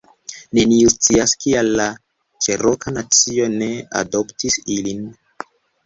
Neniu scias kial la Ĉeroka nacio ne adoptis ilin